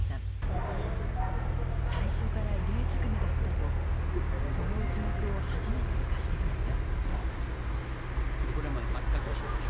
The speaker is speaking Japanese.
最初から異例ずくめだったとその内幕を初めて明かしてくれた。